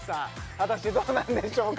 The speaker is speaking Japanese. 果たしてどうなんでしょうか？